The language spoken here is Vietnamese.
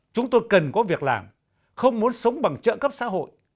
chúng tôi cần có việc làm không muốn sống bằng trợ cấp xã hội